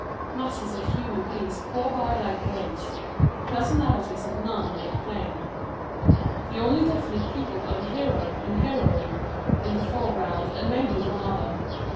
Masses of human beings pour by like waves, the personalities of none made plain. The only definite people are the hero and heroine in the foreground, and maybe one other.